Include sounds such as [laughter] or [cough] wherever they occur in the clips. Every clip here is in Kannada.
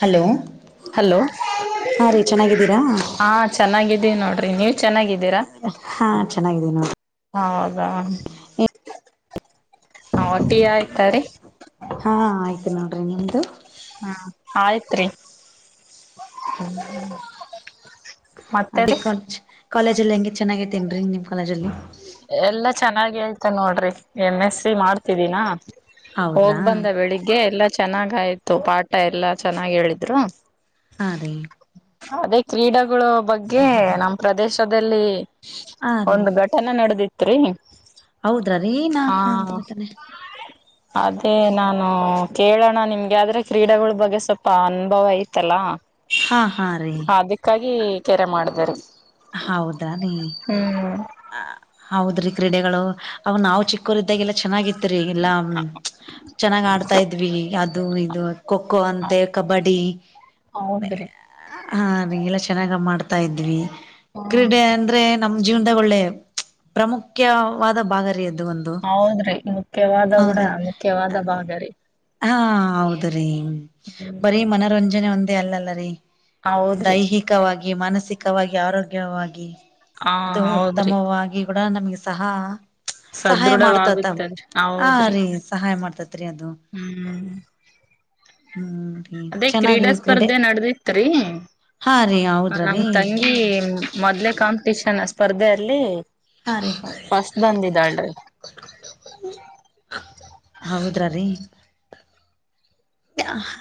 ಹಲೋ ಹಲೋ ಹಾ ರೀ ಚೆನ್ನಾಗಿದ್ದೀರಾ ಹ ಚೆನ್ನಾಗಿದ್ದೀ ನಾವ [unintelligible] ಹಾ. ಚೆನ್ನಾಗಿದ್ದೀನಿ ನೋಡ್ರಿ. ಹೌದಾ, ಹಾ ಟಿ ಆಯ್ತ ರಿ? ಹಾ ಆಯ್ತು ನೋಡ್ರಿ ನಿಮ್ದ? ಹ್ಮ ಆಯ್ತ್ರಿ. ಹ್ಮ್. [unintelligible] ಕಾಲೇಜಲ್ಲಿ ಹೆಂಗೆ ಚೆನ್ನಾಗಿದ್ದೀನ್ರೀ ನಿಮ್ಮ ಕಾಲೇಜ ಅಲ್ಲಿ. ಎಲ್ಲಾ ಚೆನ್ನಾಗಿ ಐತೆ ನೋಡ್ರಿ ಎಂ ಎಸ್ ಸಿ ಮಾಡ್ತಿದಿನಾ. ಹೋಗ ಹೌದ್ರಾ ಬಂದ ಬೆಳಿಗ್ಗೆ ಎಲ್ಲ. ಚೆನ್ನಾಗ ಆಯ್ತು ಪಾಠ ಎಲ್ಲಾ ಚೆನ್ನಾಗ್ ಹೇಳಿದ್ರು. ಹಾ ರೀ. ಅದೇ ಕ್ರೀಡಗಳು ಬಗ್ಗೆ ನಮ್ಮ ಪ್ರದೇಶದಲ್ಲಿ, ಹಾ ರೀ ಒಂದು ಘಟನೆ ನಡೆದು ನಡದೀತ್ರಿ ಹೌದ್ರಾ ರೀ ನಾ ಹಾ ಅಂದಬಿಟ್ಟನೆ ಅದೇ ನಾನು ಕೇಳೋಣ ನಿಮ್ಗೆ ಆದ್ರೆ ಕ್ರೀಡೆಗಳ ಬಗ್ಗೆ ಸ್ವಲ್ಪ ಅನುಭವ ಐತಲಾ. ಹಾ ಹಾ ರೀ. ಇತರ [unintelligible] ಹೌದಾನಿ. ಹೌದ್ರಿ ಕ್ರೀಡೆಗಳು ಅವ ನಾವ್ ಚಿಕ್ ಚಿಕ್ಕೋರ ಇದ್ದಾಗೆಲ್ಲ ಚೆನ್ನಾಗಿತ್ರಿ ಎಲ್ಲಾ ಚೆನ್ನಾಗ್ ಆಡ್ತಾ ಇದ್ವಿ ಅದು ಇದು ಖೋ ಖೋ ಅಂತೆ ಕಬಡ್ಡಿ ಹೌದ್ರಿ ಹ ನಿಂಗೆಲ್ಲ ಚೆನ್ನಾಗ ಮಾಡ್ತಾ ಇದ್ವಿ ಹ್ಮ್ ಕ್ರೀಡೆ ಅಂದ್ರೆ [unintelligible] ಒಂದೋಳ್ಳೆ ಪ್ರಮುಖ್ಯವಾದ ಬಾಗ ರಿ ಅದು. ಒಂದು ಹೌದ್ರಿ ಮುಖ್ಯವಾದ ಕುಡ ಹೌದ ಮುಖ್ಯವಾದ ಬಾಗರಿ ಹಾ ಹೌದ್ರೀ. ಬರೀ ಮನೋರಂಜನೆ ಒ ಹೆ ಅಲ್ಲಲ್ಲ ರೀ. ಹೌದ್ರಿ ದೈಹಿಕವಾಗಿ ಮಾನಸಿ ದೈಹಿಕವಾಗಿ ಆರೋಗ್ಯವಾಗಿ. ಹ ಅದು ಹೌದ್ರಿ ಉತ್ತಮವಾಗಿ ಕೂಡ ನಮ್ಗೆ ಸಹ. ಸಹಾಯ ಮಾಡತತ್ವ ಸದೃಢವಾಗುತ್ತದ್ರಿ ಹಾ ಹೌದ್ರಿ ರಿ ಸಹಾಯ ಮಾಡ್ತತ್ರಿ ಅದು. ಹ್ಮ್ ಹ್ಮ್ ರೀ ಅದೇ ಕ್ರೀಡಾ ಚೆನ್ನಾಗ್ರಿ ಕ್ರೀಡೆ ಸ್ಪರ್ಧೆ ನಡದಿತ್ ರೀ, ಹಾ ರೀ ನಮ್ ಹೌದ್ರೀ ತಂಗಿ ಮೊದ್ಲೆ ಕಾಂಪಿಟಷನ್ ಅಷ್ಟೇ ಸ್ಪರ್ಧೆಯಲ್ಲಿ. ಹಾ ರೀ ಫಸ್ಟ್ ಬಂದಿದಾಳ್ರಿ. [unintelligible] ಹೌದ್ರ ರೀ.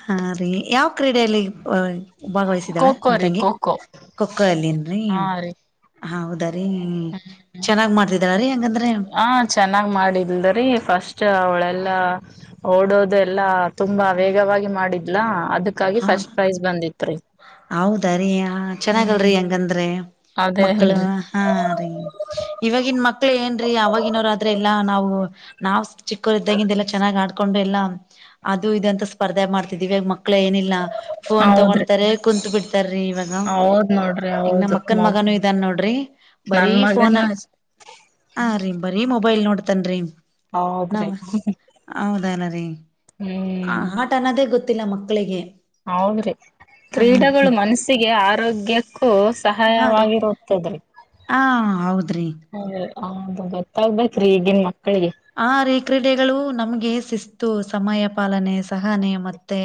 ಹಾ ರೀ ಯಾವ ಕ್ರೀಡೆಯಲ್ಲಿ ಹ ಭಾಗವಹಿಸಿದ್ದಾಳ ಖೋಖೋ ನಿಮ್ ರೀ ತಂಗಿ ಖೋಖೋ ಖೋಖೋ ಅಲ್ಲಿ ಏನ್ರಿ. ಹೌದಾ ಹ್ಮ್ ಹಂಗಂದ್ರೆ ಹ ಚೆನ್ನಾಗ್ ಮಾಡಲ್ದರಿ ಫಸ್ಟ್ ಅವ್ಲೆ. ಎಲ್ಲ ಓಡೋದು ಎಲ್ಲಾ ತುಂಬಾ ವೇಗವಾಗಿ ಮಾಡಿದ್ಲ. ಅದಕ್ಕಾಗಿ ಫಸ್ಟ್ ಪ್ರೈಸ್ ಬಂದಿತ್ತು. ಹೌದಾರೀ ಹ ಚೆನ್ನಾಗಲ್ರಿ ಹ್ಮ್ ಹಂಗಂದ್ರೆ ಅದೇ ಮಕ್ಕಳ ಅಲ್ರಿ ಹಾ ರೀ ಇವವಾಗಿನ್ ಮಕ್ಳ ಏನ್ ರಿ ಅವವಾಗಿನವ ಆದ್ರ ಎಲ್ಲಾ ನಾವು ನಾವ್ ಚಿಕ್ಕೋರ ಇದ್ದಂಗಂದ ಎಲ್ಲ ಚನ್ನಾಗಿ ಆಡ್ಕೊಂಡು ಎಲ್ಲ ಅದು ಇದಂತ ಸ್ಪರ್ಧೆ ಮಾಡ್ತಿದ್ದಿವೇ ಮಕ್ಕ ಮಕ್ಕಳ ಏನಿಲ್ಲ ಫೋನ್ ತೊಗೊಂಡ ಹೌದ್ರಿ ಏ ಕುಂತು ಬಿಟ್ಟಾರ ಇವಾಗ ಹೌದ್ ನೋಡ್ರಿ ಈಗ ನಮ್ಮ ಹೌದು ಮಕ್ಕನ್ ಮಗ್ ಮಗಾನು ಇದಾನ ನೋಡ್ರಿ ಬರೀ ನನ್ ಫೋನ್ ಮಗನು ಅಷ್ಟೆ ಹ ಹರಿ ಬರೀ ಮೊಬೈಲ್ ನೋಡ ತಂನ್ರೀ [inaudible] ಹೌದ್ರಿ ಹೌದಲ್ಲ ರೀ [inaudible] ಹ ಹ್ಮ್ ಹಟ ಅನ್ನದೇ ಗೊತ್ತ ಹತ್ತಿನ ಮಕ್ಕಳಿಗೆ ಹೌದ್ರಿ ಹಾ ಕ್ರೀಡೆಗಳು ಮನಸ್ಸಿಗೆ ಆರೋಗ್ಯ ಕೂ ಹಾ ರೀ ಸಹಾಯವಾಗಿರುತ್ತದ್ರ ಹಾ ಹೌದ್ರಿ ಹಾಗೆ ಹದು ಗೊತ್ತಾಗಬೆಕರಿ ಈಗಿನ್ ಮಕ್ಕಳಿಗೆ ಹಾರ್ರಿ ಕ್ರೀಡೆಗಳು ನಮಗೆ ಶಿಸ್ತ ಸಮಯ ಪಾಲನೆ ಸಹನೆ ಮತ್ತೆ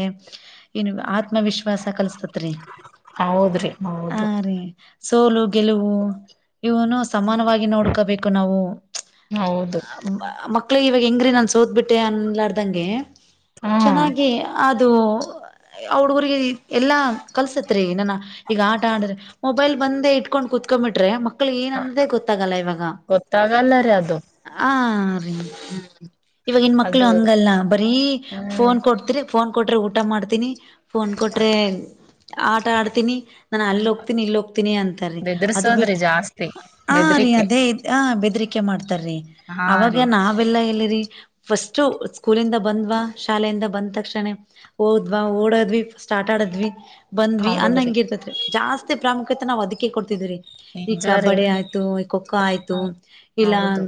ಇನ್ನು ಆ ಆತ್ಮವಿಶ್ವಾಸ ಕಲಸ್ತತ್ರಿ ಹೌದ್ರಿ ಹಾ ಹೌದು ರಿ ಸೋಲು ಗೆಲುವು ಇವನು ಸಮಾನವಾಗಿ ನೋಡ್ಕೋಬೇಕು ನಾವು ಆ ಹೌದು ಮಕ್ಳಿಗೆ ಇವಾಗ ಹೆಂಗ್ರೀ ನಾನು ಸೋತಬಿಟ್ಟೆ ಅಲ್ಲಿಾರ್ದಂಗೆ ಚೆನ್ನಾಗಿ ಹ್ಮ ಆದ ಅದು ಆ ಹುಡುಗರಿಗೆ ಎಲ್ಲಾ ಕಲ್ಸತ್ರಿ. [inaudible] ಈಗ ಆಟ ಆಡದ್ರೆ ಮೊಬೈಲ್ ಬಂದೇ ಇಟ್ಕೊಂಡ್ ಕುೂತ್ ಕಬಿಟ್ರೆ ಹ ಗೊತ್ತಾಗಲ್ಲರೀ ಅದು ಹ ರೀ ಇವಾಗ ಇನ್ ಮಕ್ಳು ಅದು ಹಂಗಲ್ಲ ಬರೀ ಹ್ಮ್ ಫೋನ್ ಕೊಡ್ತಿರಿ. ಫೋನ್ ಕೊಟ್ರೆ ಊಟಾ ಮಾಡ್ತೀನಿ. ಫೋನ್ ಕೊಟ್ರೆ ಆಟಾ ಆಡ್ತೀನಿ. ನಾನ ಅಲ್ಲಿ ಹೋಗ್ತೀನಿ ಇಲ್ಲಿ ಹೋಗ್ ತಿನಿ ಅಂತಾರೀ ಅದು ಬೆದರ್ಸೋದ್ರಿ ಬಿಟ್ಟ ಜಾಸ್ತಿ ಹ ರೀ ಬೆದರಿಕೆ ಅದೇ ಹ್ ಬೆದ್ರಿ ಕೆ ಮಾಡ್ತಾರೀ. ಹಾ ರೀ ಅವಾಗೇ ನಾವೆಲ್ಲಾ ಇಲ್ಲಿ. ರಿ ಫಷ್ಟು ಸ್ಕೂಲಿಂದ ಬಂದ್ವಾ ಶಾಲೆಯಿಂದ ಬಂದ್ ತಕ್ಷಣ ಹೋದ್ವಾ ಓಡದ್ವಿ ಫರ್ಸ್ಟ್ ಆಟ ಆಡದ್ವಿ. ಬಂದ್ವಿ ಅನ್ ಹೌದ್ರಿ ಹಂಗಿರ್ತತ್. ಜಾಸ್ತಿ ಪ್ರಾಮುಖ್ಯತೆ ನಾವ್ ಅದಿಕೆ ಕೊಡ್ತಿದ್ದುವ್ ರಿ. ಈ ನಿಜ ರೀ ಕಬಡ್ಡಿ ಆಯ್ತು ಖೋಖೋ ಆಯ್ತು ಇಲ್ಲ. ಹೌದು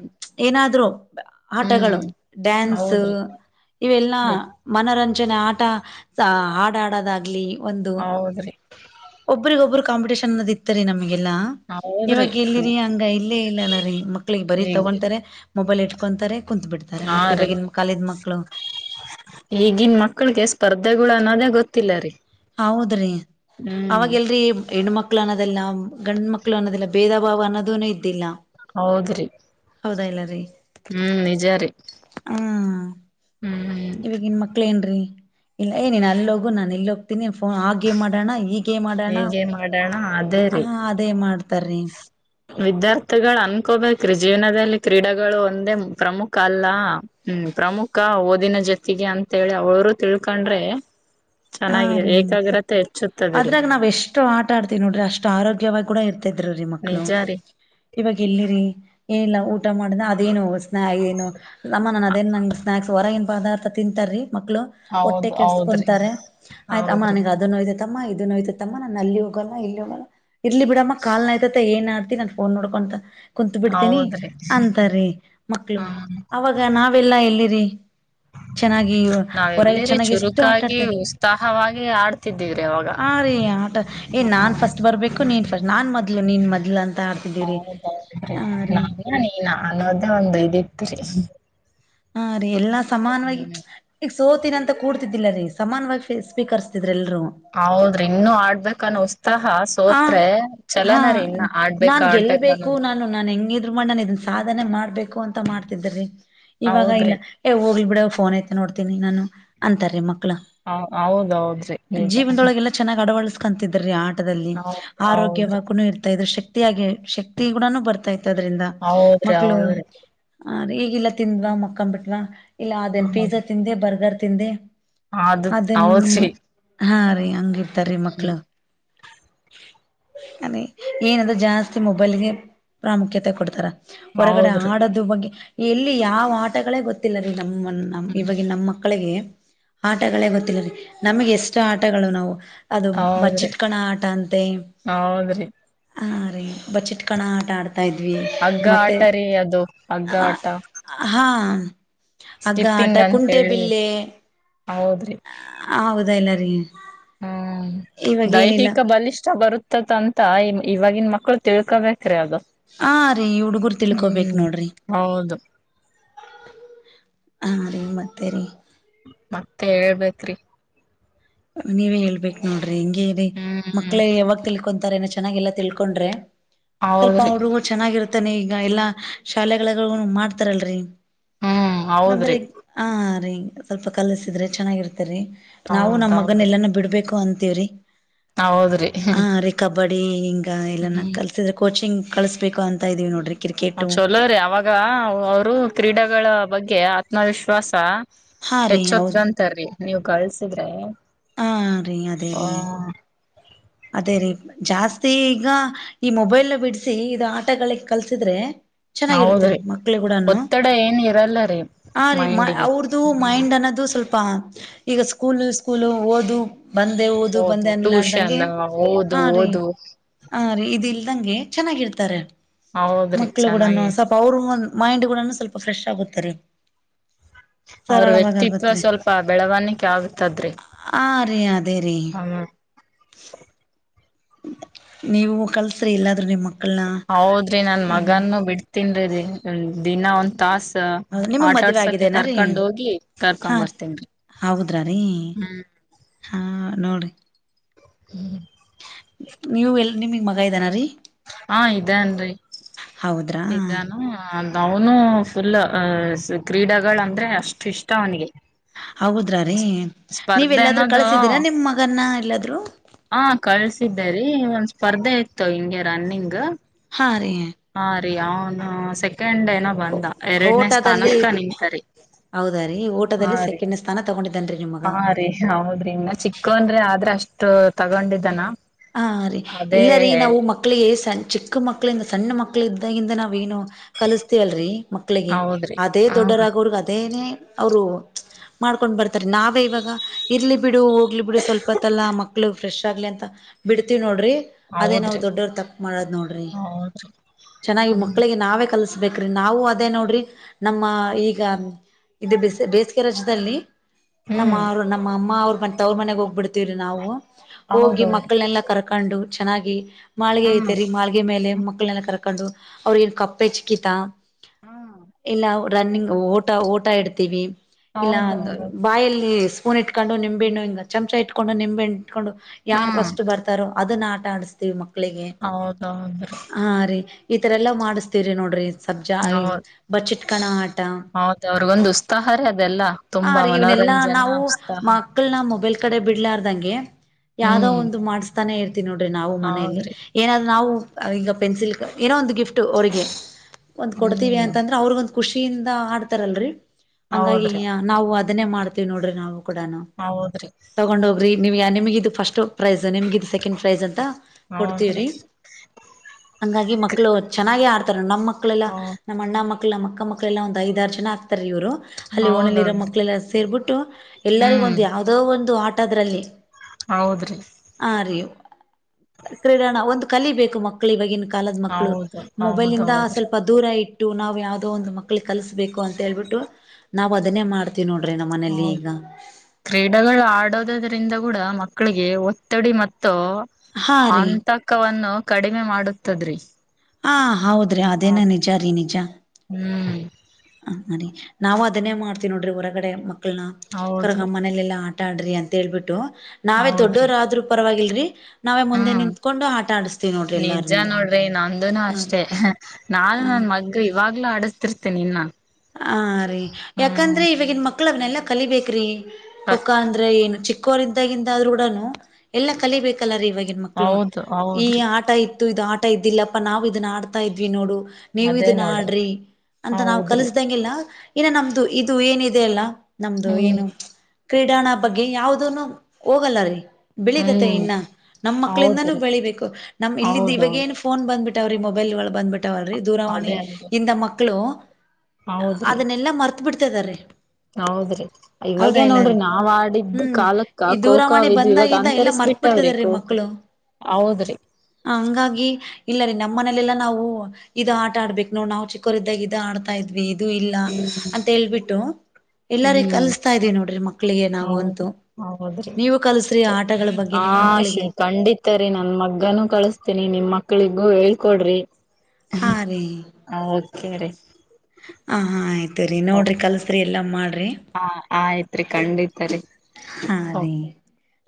ಏನಾದ್ರು ಆಟಗಳು ಹ್ಮ್ ಡ್ಯಾನ್ಸು ಹೌದ್ರಿ ಇವೆಲ್ಲಾ ಗೊತ್- ಮನರಂ. ಚನಾಟ ಸಾ ಹಾಡಾಡದಾಗ್ಲಿ ಒಂದು. ಹೌದ್ರಿ ಒಬ್ಬರಿಗೊಬ್ರು ಕಾಂಪಿಟಷನ್ ಅದ್ ಇತ್ರಿ ನಮ್. ನಮಗೆಲ್ಲಾ ಹೌದ್ರಿ ಇವಾಗ ಎಲ್ಲಿರಿ ಹಂಗ ಇಲ್ಲೇ ಇಲ್ಲ ಅಲ್ಲ ರೀ ಮಕ್ಳಿಗೆ ಬರಿ ಈಗ ತಗೊಂತರೆ ಮೊಬೈಲ್ ಇಟ್ಕೊಂತರೆ. ಕುಂತ್ ಬಿಡ್ತರೆ ಮಕ್ಕಳ ಬಗೆ ನಮ್ಮ ಕಾಲಿನ್ನ ಮಕ್. ಕ್ಕಳು. ಈಗನ್ ಮಕ್ಳಿಗೆ ಸ್ಪರ್ಧೆಗಳು ಅನ್ನೋದೇ ಗೊತ್ತಿಲ್ಲ ರೀ. ಹೌದ್ರಿ. ಹ್ಮ್ ಅವಾಗ್ ಎಲ್ರಿ ಹೆಣ್ಮಕ್ಳ ಅನ್ನೋದಲ್ಲ ಗಂಡು ಮಕ್ಳ ಅನ್ನೋದಲ್ಲ ಭೇದ ಭಾವ ಅನ್ನೋದುನು ಇದ್ದಿಲ್ಲ. ಹೌದ್ರಿ ಹೌದಾ ಇಲ್ಲ ರೀ? ಹ್ಮ್ ನಿಜಾರಿ. ಹಾ ಇವಗ್ ಇನ್ ಮಕ್ಳ ಏನ್ರೀ? ಇಲ್ ಏ ನೀನ್ ಅಲ್ ಹೋಗು ನಾನ್ ಇಲ್ ಹೋಗ್ತೀನಿ. ಫೋ ಆಗೇಮ್ ಆಡಣ ಇ ಗೇಮ್ ಆಡಣ ಹೀಗೆ ಮಾಡೋಣ ಅದೇ ಹ ಅದೇ ಮಾಡ್ತಾರಿ. ವಿದ್ಯಾರ್ಥಿಗಳ್ ಅನ್ಕೋಬೇಕ್ರಿ ಜೀವನದಲ್ಲಿ ಕ್ರೀಡೆಗಳು ಒಂದೇ ಪ್ರಮುಖ ಅಲ್ಲ ಹ್ಮ್ ಪ್ರಮುಖ ಓದಿನ ಜೊತೆಗೆ ಅಂತೆಳಿ ಅವರು ತಿಳ್ಕೊಂಡ್ರೆ, ಹಾ ಚೆನ್ನಾಗಿ ರೀ ಏಕಾಗ್ರತೆ ಹೆಚ್ಚುತ್ತದೆ ರೀ. ಅದ್ರಾಗ ನಾವ್ ಎಷ್ಟು ಆಟ ಆಡ್ತೀವಿ ನೋಡ್ರಿ ಅಷ್ಟ್ ಆರೋಗ್ಯವಾಗ್ ಕೂಡ ಇರ್ತಿದ್ರು ರೀ ಮಕ್ಳು ನಿಜ ರೀ ಇವಾಗ ಎಲ್ಲಿರಿ? ಏನಿಲ್ಲ ಊ ಊಟ ಮಾಡುದ್ನ ಅದೇನು ಸ್ನ ಏನು ಅಮ್ಮ ನನ್ ಅದೇನ್ ನಂಗ್ ಸ್ನಾಕ್ಸ್ ಹೊರಗಿನ್ ಪದಾರ್ಥ ತಿಂತಾರೀ ಮಕ್ಳು, ಹೊಟ್ಟೆ ಹೌದ್ ಹೌದ್ರಿ ಕೆಡ್ಸ್ಕೊಂತಾರೆ ಆಯ್ತ್ ಅಮ್ಮ ಹೌದ್ರಿ ನಂಗ್ ಅದುನು ಇದೆ. ಆಯ್ತಮ್ಮ ಇದು ನೋಯ್ತತಮ್ಮ ನಾನ್ ಅಲ್ಲಿ ಹೋಗೋಲ್ಲ ಇಲ್ಲಿ ಹೋಗಲ್ಲ, ಇರ್ಲಿ ಬಿಡಮ್ಮ, ಕಾಲ್ ನೋಯ್ತೈತ್ ಏನ್ ಆಡ್ತಿ ನಾನ್ ಫೋನ್ ನೋಡ್ಕೊಂತ ಕುಂತ್ ಬಿಡ್ತೀನಿ ಹೌದ್ರಿ ಅಂತಾರೀ ಮಕ್ಳು ಹ್ಮ್ ಅವಾಗ ನಾವೆಲ್ಲಾ ಎಲ್ಲಿರಿ [inaudible] ಚೆನ್ನಾಗಿ ಹೊರಗೆ ನಾವೆಲ್ಲಿರಿ ಚೆನ್ನಾಗಿ ಎಷ್ಟು ಚುರುಕಾಗಿ ಆಟಾಡ್ತ ಉತ್ಸಾಹವಾಗಿ ಆಡ್ತಿದ್ದೀವ್ರಿ ಅವಾಗ ಹಾಂ ರೀ ಆಟ, ಏ ನಾನ್ ಫಸ್ಟ್ ಬರ್ಬೇಕು ನೀನ್ ಫಸ್ಟ್ ನಾನ್ ಮೊದ್ಲು ನೀನ್ ಮೊದಲು ಅಂತ ಆಡ್ತಿದ್ದೀವ್ರಿ ಹೌದೌದ್ ರೀ ನಾನು ಈ ನಾನ್ ಹೋದ್ರು ಒಂದ್ ಇದ್ ಇತ್ ರೀ ಹಾಂ ರೀ ಎಲ್ಲಾ ಸಮಾನವಾಗಿ ಸೋತಿನ್ ಅಂತ ಕೂಡ್ತಿದ್ದಿಲ್ಲ ರೀ ಸಮಾನವಾಗ್ ಫೇಸ್ ಸ್ವೀಕರಿಸುತ್ತಿದ್ ಹೌದ್ರಿ ಇನ್ನು ಆಡ್ಬೇಕನ್ನ ಉತ್ಸಾಹ ಆ ಸೋತ್ರೆ ಹಾ ಚಲೋನ ರೀ ಇನ್ನ ಆಡ್ಬೇಕ ನಾನ್ ಆಡ್ಬೇಕ ಗೆಲ್ಬೇಕು ಅನ್ನೋದು. ನಾನು ನಾನ್ ಹೆಂಗಿದ್ರು ಮಾಡ್ ನಾನ್ ಇದನ್ ಸಾಧನೆ ಮಾಡ್ಬೇಕು ಅಂತ ಮಾಡ್ತಿದ್ದೆ ರೀ ಇವಾಗ ಇಲ್ಲ ಹೌದ್ರಿ ಏ ಹೋಗ್ಲಿ ಬಿಡು ಫೋನ್ ಐತೆ ನೋಡ್ತೀನಿ ನಾನು ಅಂತಾರ್ರಿ ಮಕ್ ಹಾಂ ಹೌದೌದ್ರಿ ನಿಜ. ಕಂತಿದ್ರ ರೀ ಆ ದಲ್ಲಿ ಹೌದ ಹೌದ್ರಿ ಆರೋಗ್ಯವಾಗೂನು ಇರ್ತಾಯಿದ್ರು ಶ ತಿಯಾಗಿ ಶಕ್ತಿ ಕೂಡನು ಬರ್ತಾ ದ್ರಿಂದ ಹೌದ್ರಿ ಮಕ್ಳು ಆ ಈಗೆಲ್ಲ ತಿಂದ್ವ ಮಕ್ಕೊಂಡ್ ಬಿಟ್ವಾ? ಇಲ್ಲ ಅದೆ ಪಿಜಾ ಹೌದ್ರಿ ತಿಂದೆ ಬರ್ಗರ್ ತಿಂದೆ ಹೌದ ಅದು ಅದುನ್ ಮ ಹೌದ್ರಿ ಹಾಂ ರೀ ಹಂಗಿರ್ತಾರೀ ಮಕ್ಳು ಹ್ಮ್ ಅದೇ ಏನಂದ್ರೆ ಜಾಸ್ತಿ ಮೊಬೈಲ್ಗೆ ಪ್ರಾಮುಖ್ಯತೆ ಕೊಡ್ತಾರ. ಹೊರಗಡೆ ಹೌದ್ರಿ ಆಡೋದ ಬಗ್ಗೆ ಎಲ್ಲಿ ಯಾವ ಆಟಗಳೇ ಗೊತ್ತಿಲ್ಲ ರೀ ನಮ್ಮ ನಮ್ಮ ಹ್ಮ್ ಇವಾಗಿ ನಮ್ಮ ಮಕ್ಕಳಿಗೆ ಆಟಗಳೇ ಗೊತ್ತಿಲ್ಲರರಿ ನಮಗೆ ಎಷ್ಟು ಆಟಗಳು ನಾವು ಅದು ಹೌದ್ರಿ ಬಚ್ಚಿಟ್ಕಣ ಆಟ ಅಂತೆ ಹೌದ್ರಿ ಹ ರೀ ಬಚ್ಚಿಟ್ ಕಣ ಆಟ ಆಡ್ತ ಹಗ್ಗ ಆಟ ರೀ ಅದು ಹಗ್ಗ ಆಟ ಹಾ ಹಗ್ಗ ಆಟ ಸ್ಕಿಪ್ಪಿಂಗ್ ಅಂತ ಕುಂಟೆ ಹೇಳಿ ಬಿಲ್ಲೆ ಹೌದ್ರಿ ಹೌದಾ ಎಲ್ಲ ತಯ ಹ್ಮ್ ದೈಹಿಕ ಬಲಿಷ್ಠ ಬರುತ್ತೆ. ಇರ್ತತ್ ಅಂತ ಇವಾಗಿನ ಮಕ್ಳು ತಿಳ್ಕೊಬೇಕ್ರೀ ಅದು. ಹ ರೀ ಹುಡುಗರ್ ತಿಳ್ಕೋಬೇಕೇ ಹ್ಮ್ ನೋಡ್ರಿ. ಹೌದು ಹಾ ರೇ ಮತ್ತೆರಿ. ಮತ್ತೆ ಹೇಳ್ಬೇಕ್ರಿ. ನೀವೇ ಹೇಳ್ಬೇಕ್ ನೋಡ್ ರೀ ಹಿಂಗೆ ಇದೆ ಹ್ಮ್ ಮಕ್ಳೇ ಯಾವಾಗ ತಿಳ್ಕೋನ್ ಏನು ಚನ್ನಾಗಿಲ್ಲಾ ತಿಳ್ಕೊಂಡ್ರೆ. ಸ್ವಲ್ಪ ಹೌದ್ರಿ ಹಡ್ರರು ಚೆನ್ನಾಗಿರುತ್ತೆ. ಆತಾನೆ ಈಗ ಎಲ್ಲಾ ಶಾಲೆಗಳ ಮಾಡ್ತಾರಲ್ರರಿ. ಹ್ಮ್ ಅಂದ್ರೆ ಹೌದ್ರಿ ಹ ರೀ. ಸ್ವಲ್ಪ ಕಲಸಿದ್ರೆ ಚೆನ್ನಾಗಿರುತ್ತೆ. ನಾವು ನಮ್ಮ. ಮಗನ್ ಎಲ್ಲ ಬಿಡಬೇಕು ಅಂತ. ದೇವ್ರೀ. ಹ ಹೌದ್ರಿ. ನಿಹಿಂಗ್ ಈ ಎಲ್ಲ ಹ್ಮ್ ಕಲ್ಸಿದ್ರೆ ಕೋಚಿಂಗ್. ಕಳಿಸ್ಬೇಕು ಅಂತತ ಇದ್ದೀ ನೋಡಿರಿ. ಹ ಚಲೋ ರೀ ಅವಾಗ ಅವರು ಕ್ರೀಡಳ ಬಗ್ಗೆ. ಆತ್ಮವಿಶ್ವಾಸ. ಹಾ ರೀ ಹೆಚ್ಚ ಹೌದು ಹೊತ್ಗಂತಾರರಿ. ನೀವು ಕಳ್ಸಿದ್ರೆ. ಹಾ ರರಿ ಅದೇ ಹ ರೀ ಅದೇ ರೀ ಜಾಸ್ತಿ. ಈಗ ಈ ಮೊಬೈಲ್ ಬಿಡಿಸಿ ಇದು ಆಟಗಳಿಗೆ ಕಲ್ಸಿದ್ರೆ. ಚೆನ್ನಾಗಿರುತ್ತೆ ರಿ ಹೌದ್ರಿ ಮಕ್ಳಿ ಕೂಡನು ಒತ್ತಡ ಏನ್ ಇರಲ್ಲರಿ ಆ ರೀ ಮೈಂಡಿಗೆ ಅವ್ರದುು ಹ್ಮ್ ಮೈಂಡ್ ಅನ್ನೋದು ಸ್ವಲ್ಪ. ಈಗ ಸ್ಕೂಲ್. ಸ್ಕೂಲ ಓದು. ಬಂದೆ ಓದು ಹೌದು ಬಂದೆ ಟ್ಯೂಷನ್ ಅನ್ಲಾರ್ದಂಗೆ ಓದು ಹ ರೀ ಓದು ಹ ರೀ ಇದ ಇಲ್ದಂಗೆ. ಚೆನ್ನಾಗಿರ್ತಾರೆ. ಹೌದ್ರಿ ಮಕ್ಳು ಗೂಡನು ಚೆನ್ನಾಗಿ ಸ್ವಪ ಅವರು ಒ. ಮೈಂಡ್ ನು ಸ್ವಲ್ಪ ಫ್ರೆಶ್ ಆಗುತ್ತೇರಿ. ಅವ್ರ ವ್ಯಕ್ತಿತ್ವ ಸ್ವಲ್ಪ ಬೆಳವಣಿಕ ಆಗುತ್ತ. ಆ ರೀ ಅದೇ ರೀ. ಹ್ಮ ನೀವು ಕಲಸ್ರಿ ಇಲ್ಲಾದ್ರೂ ನಿಮ್ಮಕ್ಕ. ಕ್ಕಲಾ ಹೌದ್ರಿ ನನ್ ಮಗನ್ನು ಬಿಟ್ಟ ತಿಂದ್ರೆ ದಿನ ಒಂದ ತಾಸ ಹೌ ನಿಮಗ್ ಮದ್ವೆ ಆಟಾಡ್ಸಕ್ಕೆ ಆಗಿದ್ದೇನ ರೀ? ಕರ್ಕೊಂಡ್ ಹೋಗಿ ಹಾ ಕರ್ಕೊಂಡ್ ರೀ ಬರ್ತೇನ್ರಿ ಹೌದ್ರ ರೀ ಹ್ಮ್ ಹಾ. ನೋಡಿ ನೀವ್ ಎಲ್ ನಿಮಗ್ ಮಗ ಇದಾನ ರೀ? ಹಾ ಇದಾನ್ರಿ. ಹೌದ್ರಾ ಇದಾನೂ ಅವನು ಫುಲ್ ಅ ಸ್ ಕ್ರೀಡಗಳ ಅಂದ್ರೆ ಅಷ್ಟ ಇಷ್ಟ ಅವನಿಗೆ. ಹೌದ್ರ ರೀ ನೀವ ಸ್ಪರ್ಧೆ ಎಲ್ಲಾದ್ರೂ ಅನ್ನೋದು ಕಳಸಿದ್ದೀರಾ? ನಿಮ್ ಮಗನ್ನ ಎಲ್ಲಾದ್ರೂ? ಹ ಕಳ್ಸಿದ್ದೆ ರೀ ಒಂದ್ ಸ್ಪರ್ಧೆ ಇತ್ತು ಹಿಂಗೆ ರನ್ನಿಂಗ್. ಹಾರಿ ಸರಿ ಅವನು ಸೆಕೆಂಡ್ ಕಂಡ್ ಏನೋ ಓ ಬಂದ ಎರಡನೇ ಓಟದಲ್ಲಿ ಸ್ಥಾನಕ್ಕ ನಿಂತ ರಿ ಹೌದ ರೀ ಹಾ ಓಟದಲ್ಲಿ ರೀ ಸೆಕೆಂಡ್ ಸ್ಥಾನ ತಗೊಂಡಿದ್ದೇನ್ರಿ ನಿಮ್ ಮಗ ಹಾ ರೀ ಹೌದ್ರಿ ಇನ್ನು ಚಿಕ್ಕೊನ್ ರಿ ಆದ್ರೆ ಅಷ್ಟು ತಗೊಂಡಿದ್ದಾನ. ಹ ರಿ ಅದೇ ಇಲ್ಲ ರೀ ನಾವು ಮಕ್ಳಿಗೆ ಸನ್ ಚಿಕ್ಕ ಚಿಕ್ಕ ಮಕ್ಕಳಿಂದ ಸಣ್ಣ ಮಕ್ಕಳ ಇದಾಗಿಂದ ನಾವ ಏನು ಕಲಿಸತೀವಲ್ರರಿ ಮಕ್ಕಳಿಗೆ ಹೌದ್ರಿ ಅದೇ ಹ ದೊಡ್ಡವರಾಗೋವರ್ಗು ಅದೇನೇ ಅವರು ಮಾಡ್ಕೊಂಡ್ ಬರ್ತಾರೆ ನಾವೇ ಇವಾಗ ಇರ್ಲಿ ಬಿಡು ಹೋಗ್ಲಿ ಬಿಡು ಸ್ವಲ್ಪತ್ತಲಾ ಮಕ್ಕಳು ಫ್ರೆಶ್ ಆಗ್ಲಿ ಅಂತ. ಬಿಡ್ತೀವಿ ನೋಡ್ರಿ ಅದೇ ನಾವ ಹೌದ್ರಿ ದೊಡ್ಡವ್ರ ತಪ್ಪ ಮಾಡದ್ ನೋಡ್ರಿ ಹೌದ್ರಿ ಚೆನ್ನಾಗಿ ಹ್ಮ್ ಮಕ್ಕಳಿಗೆ ನಾವೇ ಕಲ್ಸ ಬ್ರಿ ನಾವು ಅದೇ ನೋಡ್ರಿ ನಮ್ಮ ಈಗ ಇದ ಬೇಸಿಗೆ ರಜದಲ್ಲಿ ನಮ್ಮ ಹ್ಮ್ ಅವರು ನಮ್ಮ ಅಮ್ಮ ಅವರು ಮ ಅವ್ರ ಮನೆ ಹೋಗ್ಬಿ- ನಾವು ಹೋಗಿ ಹೌದೌದ್ರಿ ಮಕ್ಕಳು. ಕರ್ಕೊಂಡು ಚೆನ್ನಾಗಿ. ಮಾಳಿಗೆ ಹ್ಮ್ ಐತೆರಿ ಮಾಳಗೆ ಮೇಲೆ ಮಕ್ಕಳನ್ನಲ್ಲ ಕರ್ಕೊಂಡು. ಕೊಂಡು ಅವ್ರಗ ಏನ್ ಕಪ್ಪ ಜಿಗಿತ ಹ್ಮ್ ಇಲ್ಲ ರನ್ನಿಂಗ್ ಓಟ ಓಟ ಇಡ್ತೀವಿ. ಇಲ್ಲ ಅ ಹೌದೌದು ಬಾಯಲ್ಲಿ. ಹೂನ ಇಟ್ಕೊಂಡು ನಿಂಬೆಣು ಹಿಂಗ ಚಮಚ ಇಟ್ಕೊಂಡು ನಿಂಬೆಣು. ಇಕೊಂಡು ಯಾರಾ ಹ್ಮ್ ಫಸ್ಟ್. ಅದನ್ನ ಆಟ ಆಡಿಸ್ತೀವಿ ಮಕ್ಕಳಿಗೆ. ಮಕ್ಕಳಿಗೆ ಹೌದೌದ್ರಿ ಹ ರೀ. ಈ ತರ ಎಲ್ಲ ಮಾಡುಸ್ತಿವಿ ನೋಡ್ರಿ. ಸಬ್ಜಾ ಹೌದು ಬಚ್ಚಿಟ್ಕಣ ಆಟ ಹೌದ ಅವ್ರಗೊಂದು ಉತ್ಸಾಹ ರೇ ಅದೆಲ್ಲ ಆ ತುಂಬಾ ರೀ ಇವನೆಲ್ಲಾ ಮನೋರಂಜನಾ ನಾವು ಉತ್ಸಾಹ. ಮಕ್ಕಳನ ಮೊಬೈಲ್ ಕಡೆ ಬಿಡ್ಲಾರ್ದಂಗೆ. ಯಾವ್ದೋ ಹ್ಮ್ ಒಂದು. ಅನ್ನಸ್ತಾನೆ. ನೋಡ್ರಿ ನಾವು ಮನೆಯಲ್ಲಿ ಹೌದ್ರಿ ಏನಾದ್ರೂ ನಾವು. ಈಗ ಪನ್ಸಿ ಲ್ ಏನೋ ಒಂದು ಗಿಫ್ಟ್ ಅವರಿಗೆ. ಒಂದ್ ಕೊಡ್ತೀವಿ ಹ್ಮ್ ಅಂತಂದ್ರ ಅವ್ರಗ ಒಂದ್ ಖುಷಿಯಿಂದ ಆಡ್ತಾರಲ್ರರಿ ಹಂಗಾಗಿ ಹೌದ್ರಿ ನಾವು ಅದ- ಅದನ್ನೇ ಮಾಡ್ತೀವಿ ನೋಡ್ರಿ ನಾವು. ಕೂಡಾನ ಹೌದ್ರಿ ತಗೊಂಡ ಹೋಗ್ರಿ. ನೀವು ಯ ನಿಮಗಿದು ಫಸ್ಟು- ಪ್ರೈಸು ನಿಮಗದು ಸೆಕೆಂಡ್ ಪ್ರೈಜ್ ಅಂತ- ಹೌದ್ರಿ ಕೊಡ್ತೀವ್ರಿ ಹಂಗಾಗಿ ಮಕ್ಕಳು ಚೆನ್ನಾಗಿ ಆಡ್ತಾರ ನಮ್ಮ ಮಕ್ಳೆಲ್ಲಾ ಹ ನಮ್ಮ ಅಣ್ಣ ಮಕ್ಕಳ ಮಕ್ಕಳ ನಮ್ಮ ಅಕ್ಕನ ಮಕ್ಕಳ ಎಲ್ಲ ಐದಾರ ಜನ ಆಗ್ತಾರೆ ಇವರು. ಅಲ್ಲಿ ಹೋಣಿಯಲ್ಲಿರೋ ಹೌದೌದ್ರಿ ಮಕ್ಕಳೆಲ್ಲ ಸೇರ್ಬಿಟ್ಟು ಎಲ್ಲರಿಗ ಹ್ಮ್ ಒಂದು ಯಾವದೋ ಒಂದು ಆಟ. ಟ್ಟದರಲ್ಲಿ ಹೌದ್ರಿ ಹ ಅರಿ ಕ್ರೀಡ ಈಡಣ ಒಂದು. ಕಲಿಬೇಕು ಮಕ್ಕಳ ಇವಾಗಿನ. ಈ ಕಾಲದ ಮಕ್ಕಳು ಹೌದು ಮೊಬೈಲ್ ಇಂದ ಹೌದೌದ್ರಿ ಸ್ವಲ್ಪ ದೂರ ಇಟ್. ನಾವು ಯಾವವುದೋ ಒಂದು ಮಕ್ಕಳಿಗೆ ಕಲಸ್ಬೇಕು ಅಂತ ಹೇಳ್ಬಿಟ್ಟು ನಾವ್ ಅದನ್ನೇ ಮಾಡ್ತ- ಹ ಕ್ರೀಡೆಗಳು ಆಡೋದದ್ರಿಂದ ಕೂಡ ಮಕ್ಳು. ಮಕ್ಕಳಿಗೆ ಒತ್ತಡಿ ಮತ್ತು. ಹಾ ರೀ ಅಂತಕವನ್ನು. ಕಡಿಮೆ ಮಾಡತದ್ರಿ ಹಾ ಹೌದ್ರಿ ಅದೇನ ನಿಜ ರೀ ನಿಜ ಹ [unintelligible] ಹ ನರಿ ನಾವವು ಅದನ್ನೇ ಮಾಡ್ತೀವಿ ನೋಡ್ರಿ ಹೊರಗಡೆ ಮ ಕ ಹೌದು ಮನಲ್ಲ ಎಲ್ಲ ಆ ಆಟಡ್ರಿ ಅಂತ ಹೇಳ್ಬಿಟ್ಟು ನಾವೇ ಹೌದ್ರಿ ದೊಡ್ಡವರ್ರರು ಪರವಾಗಿಲ್ಲ ರೀ ಹ್ಮ್ ನಿಜ ಎಲ್ಲಾರ್ನು ನೋಡ್ರಿ ನಂದುನು ಹ ಅಷ್ಟೇ ನಾನು ಹ ನನ್ ಮಗ್ಗ ಇವಾಗ್ಲುೂ ಆಡಿಸತಿನಿ ಇನ್ನ [unintelligible] ಹ ರಿ ಹ್ಮ್ ಯಾಕಂದ್ರೆ ಇವಾಗಿನ್ ಮಕ್ಳ ಅವನೆಲ್ಲಾ ಕಲಿಬೇಕ್ರಿ ಖೋಖಾ ಅಂದ್ರೆ ಏನು ಚಿಕ್ಕ ಚಿಕ್ಕೋರಿದಾಗಿಂದ ಆದ್ರೂನು [unintelligible] ಎಲ್ಲ ಕಲಿಬೇಕಲ್ಲರಿ ಇವಾಗಿನ ಮಕ್ಳು ಹೌದು ಈ ಹೌದ್ರಿ ಆಟ ಇತ್ತು ಇದು ಆಟ ಇದ್ದಿಲ್ಲಪ್ಪಾ ನಾವು ಇದನ್ನ ಆಡ್ತಾ ಇದ್ವಿ ನೋಡು ನೀವು ಅದೇ ಇದನ ನೋಡ್ರಿ ಆಡ್ರಿ ಅಂತ ನಾವು ಹೌದ್ರಿ ಲ್ಲ ಇನ್ನ ನಮ್ದು ಇದು ಏನಿದೆ ಅಲ್ಲ ನಮ್ದು ಹ್ಮ್ ಏನು ಕ್ರೀಡಾಣ ಬಗ್ಗೆ ಯಾವ್ದನು ಹೋಗಲ್ಲ ರೀ ಬೆಳೀತತೆ ಹ್ಮ್ ಇನ್ನ ನಮ್ಮ ಮಕ್ಳಿಂದಾನೂ ಹೌದ್ರಿ ಬೆಳಿಬೇಕು ನಮ್ ಇಲ್ಲಿಂದ ಇವಾಗ ಹೌದೌದು ಏನು ಫೋನ್ ಬಂದ್ಬಿಟ್ಟ ಅವ್ರ ಮೊಬೈಲ್ಗಳು ಬಂದ್ಬಿಟ್ ಲ್ರಿ ದೂರವಾಣಿ ಅದೇ ಅಲ್ರಿ ಹಿಂದ ಮಕ್ ಮಕ್ಕಳು ಹೌದ್ರಿ ಅದನ್ನೆಲ್ಲಾ ಮರ್ ತ್ ಬಿಡ್ತಾ ಇದಾರೆ ಹೌದ್ರಿ ಇವಾಗೇ ನೋಡ್ರಿ ನಾವ್ ಆಡಿದ್ದ ಹ್ಮ್ ಕಾಲಕ್ಕ ಈ ಕೋಖೋ ದೂರವಾಣಿ ಇದಿದ್ವಿ ಇವಾಗ ಬಂದಾಗಿಂದ ಎಲ್ಲ ಮರ್ತ್ ಅಂತರಿಸಬಿಟ್ಟಾವ್ರಿ ಬಿಡ್ತಿದಾರೀ ಕೋಖೋ ಮಕ್ಕಳು ಹೌದ್ರಿ ಮನೇಲೆಲ್ಲ ನಾವು ಇದು ಆಟ ಆಡ್ಬೇಕು ನೋಡು ನಾವು ಚಿಕೊರ್ ಇದಿದ್ದಾಗ ಇದ ಆಡ್ ಇದ್ವಿ ಇದು ಇಲ್ಲ ಹ್ಮ್ ಅಂತ ಹೇಳ್ಬಿಟ್ಟು ಎಲ್ಲಾರ ಹ್ಮ್ ಕಲಸ್ತಾ ಇದೀವಿ ನೋಡ್ರಿ ಮಕ್ಕಳಿಗೆ ನಾವು ಅಂತೂ ಹೌದ್ರಿ ಹೌದ್ರಿ ನೀವು ಕಲ್ಸ್ರಿ ಆ ಆಟಗಳ ಬಗ್ಗೆ ಹಾ ನಿಮ ಮಕ್ಳಿಗೆ ಮೇ ರೀ ನೀ ನಿಮ್ ಮಕ್ಳಿಗೂ ಹೇಳ್ಕೊಡ್ರಿ ಹಾ ರೀ ಹ ಓಕ್ಕೇ ರೀ ಹಾ ಹಾ ಆಯತು ಸರಿ ನೋಡ್ರಿ ಕಲ್ಸ್ರರಿ ಎಲ್ಲ ಮಾಡ ಹಾ ಆಯ್ತ್ರಿ ಖಂಡಿತರಿ ಹಾ ಓಕ್ ರೀ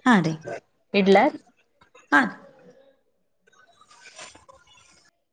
ಹಾ ರೀ ಇಡ್ಲ ರೀ ಹಾ ರೀ.